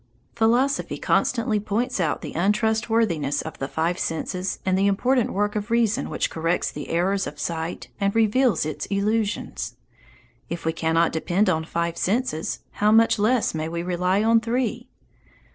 Philosophy constantly points out the untrustworthiness of the five senses and the important work of reason which corrects the errors of sight and reveals its illusions. If we cannot depend on five senses, how much less may we rely on three!